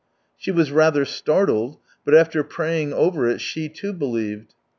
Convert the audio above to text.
She was rather startled, but after praying over it, she too believed.